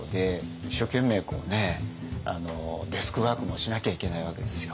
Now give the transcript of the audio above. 一生懸命デスクワークもしなきゃいけないわけですよ。